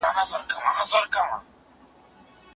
د خپګان د مخنیوي لپاره باید له دوستانو سره وخت تېر کړو.